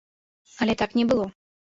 Але так не было.